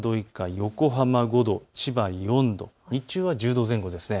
横浜５度、千葉４度、日中は１０度前後ですね。